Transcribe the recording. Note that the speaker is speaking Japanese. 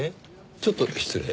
ちょっと失礼。